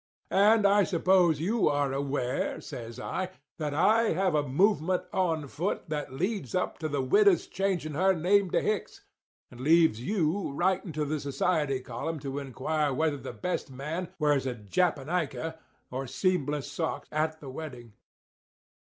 And I suppose you are aware,' says I, 'that I have a movement on foot that leads up to the widow's changing her name to Hicks, and leaves you writing to the society column to inquire whether the best man wears a japonica or seamless socks at the wedding!